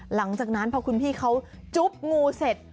หลังจากนั้นพอคุณพี่เขาจุ๊บงูเสร็จ